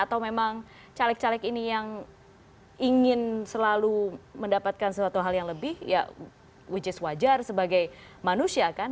atau memang caleg caleg ini yang ingin selalu mendapatkan sesuatu hal yang lebih ya which is wajar sebagai manusia kan